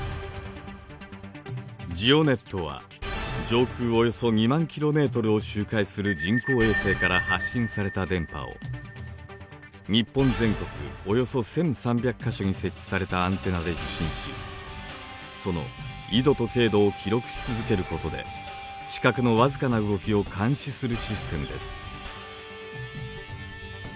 ＧＥＯＮＥＴは上空およそ２万ｋｍを周回する人工衛星から発信された電波を日本全国およそ１，３００か所に設置されたアンテナで受信しその緯度と経度を記録し続けることで地殻の僅かな動きを監視するシステムです。